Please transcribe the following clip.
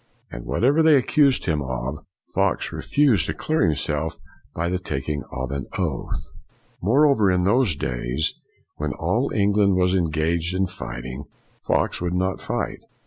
'' And, whatever they accused him of, Fox refused to clear him self by the taking of an oath. Moreover, in those days, when all Eng land was engaged in fighting, Fox would not fight.